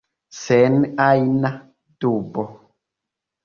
Sen ajna dubo.